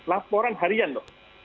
laporan harian dong